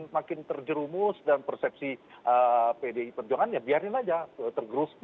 makin terjerumus dan persepsi pdi perjuangan ya biarin aja tergerus